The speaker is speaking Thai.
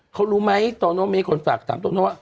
เขารู้ไหมโตโน่ง่ายสุดขนฝาก